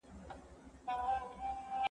ما پرون د سبا لپاره د ليکلو تمرين وکړ،